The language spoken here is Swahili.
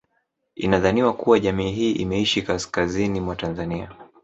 Inadhaniwa kuwa jamii hii imeishi kaskazini mwa Tanzania